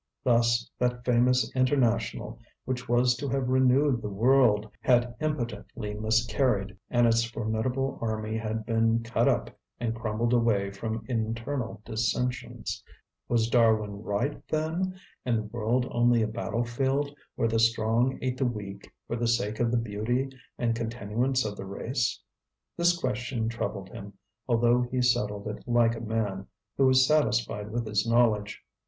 Thus that famous International which was to have renewed the world had impotently miscarried, and its formidable army had been cut up and crumbled away from internal dissensions. Was Darwin right, then, and the world only a battlefield, where the strong ate the weak for the sake of the beauty and continuance of the race? This question troubled him, although he settled it like a man who is satisfied with his knowledge.